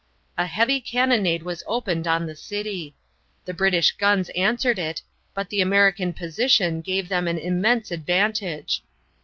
A heavy cannonade was opened on the city. The British guns answered it, but the American position gave them an immense advantage.